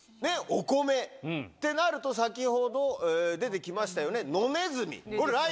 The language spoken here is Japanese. お米ってなると先ほど出てきましたよね。